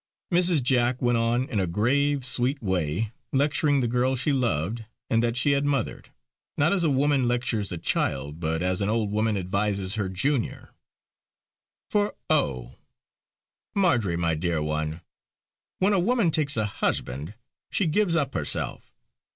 Mrs. Jack went on in a grave, sweet way, lecturing the girl she loved and that she had mothered; not as a woman lectures a child but as an old woman advises her junior: "For oh! Marjory, my dear one, when a woman takes a husband she gives up herself.